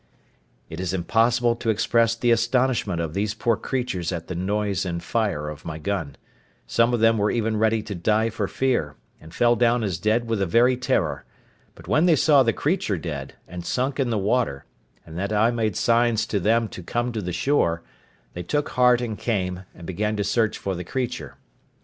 It is impossible to express the astonishment of these poor creatures at the noise and fire of my gun: some of them were even ready to die for fear, and fell down as dead with the very terror; but when they saw the creature dead, and sunk in the water, and that I made signs to them to come to the shore, they took heart and came, and began to search for the creature.